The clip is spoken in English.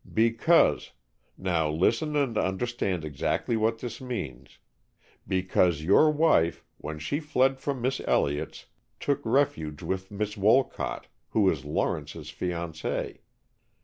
"Because now listen and understand exactly what this means, because your wife, when she fled from Miss Elliott's, took refuge with Miss Wolcott, who is Lawrence's fiancée.